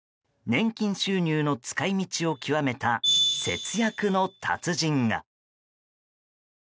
年金収入の使い道を極めた節約の達人が。